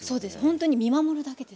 ほんとに見守るだけです。